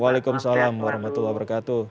waalaikumsalam warahmatullahi wabarakatuh